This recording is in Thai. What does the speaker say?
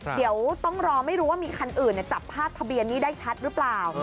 เดี๋ยวต้องรอไม่รู้ว่ามีคันอื่นจับภาพทะเบียนนี้ได้ชัดหรือเปล่า